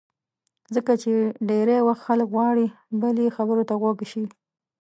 ځکه چې ډېری وخت خلک غواړي بل یې خبرو ته غوږ شي.